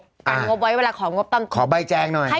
ของงบไว้เวลาของงบต่ำ